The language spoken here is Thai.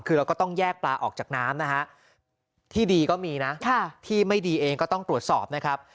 คือเราก็ต้องแยกปลาออกจากน้ำนะฮะที่ดีก็มีนะที่ไม่ดีเองก็ต้องตรวจสอบนะครับ